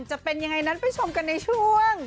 จะเป็นยังไงนั้นไปชมกันในช่วง